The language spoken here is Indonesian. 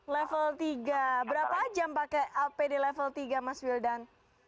level tiga berapa jam pakai apd level tiga mas wildan